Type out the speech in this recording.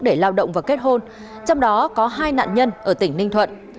để lao động và kết hôn trong đó có hai nạn nhân ở tỉnh ninh thuận